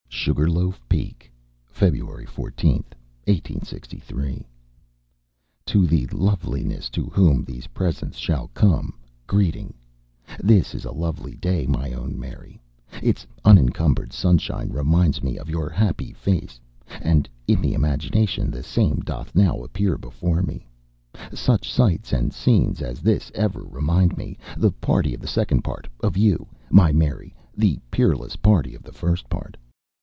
SUGAR LOAF PEAK, February 14, 1863. To the loveliness to whom these presents shall come, greeting: This is a lovely day, my own Mary; its unencumbered sunshine reminds me of your happy face, and in the imagination the same doth now appear before me. Such sights and scenes as this ever remind me, the party of the second part, of you, my Mary, the peerless party of the first part.